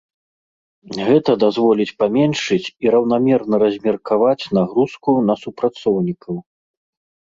Гэта дазволіць паменшыць і раўнамерна размеркаваць нагрузку на супрацоўнікаў.